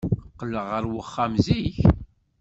Qqleɣ ɣer uxxam zik.